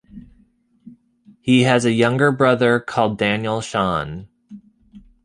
He has a younger brother called Daniel Sean.